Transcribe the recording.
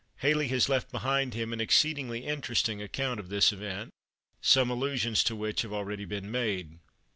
Halley has left behind him an exceedingly interesting account of this event, some allusions to which have already been made.